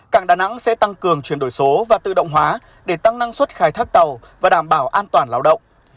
cảng đà nẵng sẽ tăng cường chuyển đổi số và tự động hóa để tăng năng suất khai thác tàu và đảm bảo an toàn lao động